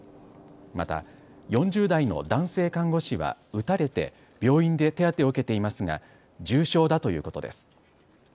また、４０代の男性看護師は撃たれて病院で手当てを受けていますが重傷だということです。